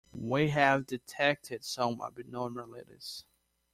We have detected some abnormalities.